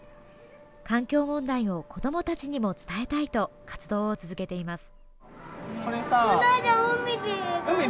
環境問題を子どもたちにも伝えたいと活動を続けています。